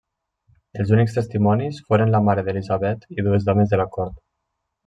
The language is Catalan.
Els únics testimonis foren la mare d'Elisabet i dues dames de la cort.